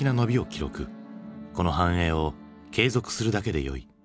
この繁栄を継続するだけでよい。